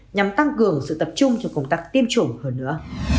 nhằm tăng cường sự tập trung cho công tác tiêm chủng hơn nữa